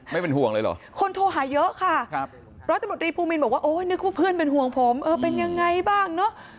ไม่เป็นห่วงเลยหรอคนโทรหายเยอะค่ะรถจำหนดรีภูมิบอกว่านึกว่าเพื่อนเป็นห่วงผมเป็นยังไงบ้างเนอะ